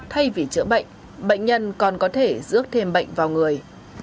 thay vì chữa bệnh bệnh nhân còn có thể rước thêm bệnh vào người